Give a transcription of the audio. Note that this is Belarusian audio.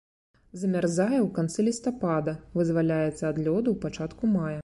Замярзае ў канцы лістапада, вызваляецца ад лёду ў пачатку мая.